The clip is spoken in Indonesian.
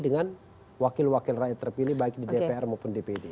dengan wakil wakil rakyat terpilih baik di dpr maupun dpd